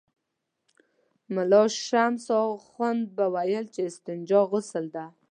ملا شمس اخند به ویل چې استنجا غسل دی.